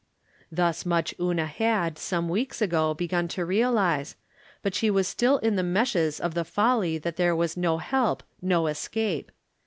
Thus much Una had, some weeks ago, begun to realize, but she was still in the meshes of the folly that there was no help, no escape.